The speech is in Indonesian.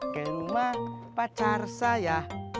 ke rumah pacar saya